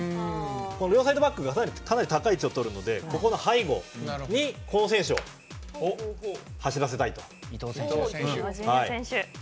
両サイドバックがかなり高い位置をとるのでこの背後にこの選手を走らせたいと。